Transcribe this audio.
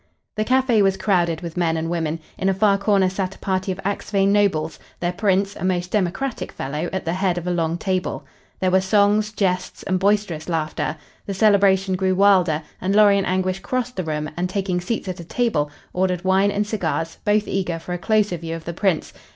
The cafe was crowded with men and women. In a far corner sat a party of Axphain nobles, their Prince, a most democratic fellow, at the head of a long table. There were songs, jests and boisterous laughter. The celebration grew wilder, and Lorry and Anguish crossed the room, and, taking seats at a table, ordered wine and cigars, both eager for a closer view of the Prince.